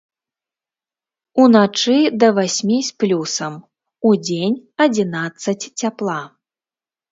Уначы да васьмі з плюсам, удзень адзінаццаць цяпла.